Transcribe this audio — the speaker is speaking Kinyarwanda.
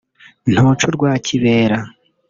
ntuca urwa kibera